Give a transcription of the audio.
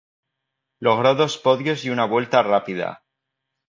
Logró dos podios y una vuelta rápida.